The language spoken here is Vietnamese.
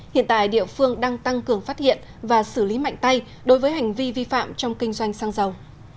hiện tại địa phương đang tăng cường phát hiện và xử lý mạnh tay đối với hành vi vi phạm trong kinh doanh xăng dầu